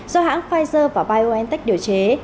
do hãng pfizer và biontech điều chế